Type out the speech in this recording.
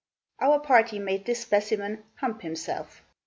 Our party made this specimen 'hump himself.'